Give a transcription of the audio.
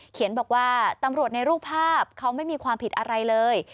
บอกว่าตำรวจในรูปภาพเขาไม่มีความผิดอะไรเลย